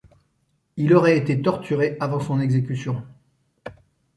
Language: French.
Il aurait été torturé avant son exécution.